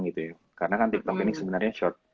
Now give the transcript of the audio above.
gitu ya karena kan tiktok ini sebenernya